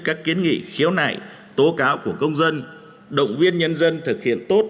các kiến nghị khiếu nại tố cáo của công dân động viên nhân dân thực hiện tốt